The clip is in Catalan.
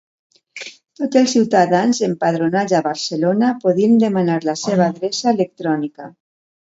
Tots els ciutadans empadronats a Barcelona podien demanar la seva adreça electrònica.